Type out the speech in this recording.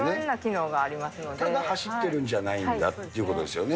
ただ走ってるんじゃないんだということですよね。